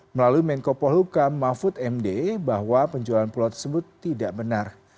melalui menko polhuka mahfud md bahwa penjualan pulau tersebut tidak benar